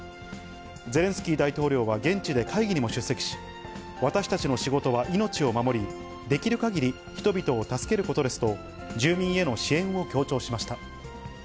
ゼレンスキー大統領は現地で会議にも出席し、私たちの仕事は、命を守り、できるかぎり人々を助けることですと、住民への支援を強調しました。